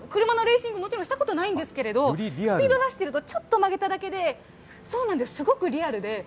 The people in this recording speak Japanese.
車のレーシング、もちろんしたことないんですけれど、スピード出してると、ちょっと曲げただけで、すごくリアルで。